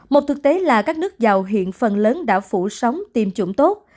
một thực tế là các nước giàu hiện phần lớn đã phủ sóng tiêm chủng tốt